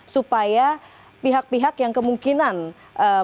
supaya pihak pihak yang kemungkinan masih syak